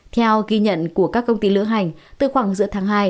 theo ghi nhận của các công ty lữ hành từ khoảng giữa tháng hai